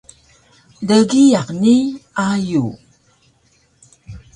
Dgiyaq ni ayug